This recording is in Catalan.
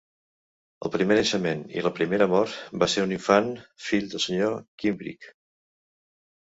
El primer naixement i la primera mort va ser un infant, fill del Sr. Kimbrick.